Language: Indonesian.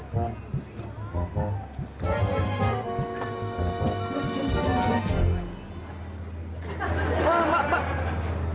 pak pak pak